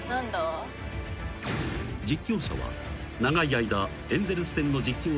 ［実況者は長い間エンゼルス戦の実況を務めてきた］